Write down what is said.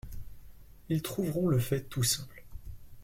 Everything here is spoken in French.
Ils trouveront le fait tout simple.